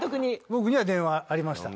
僕には電話ありました。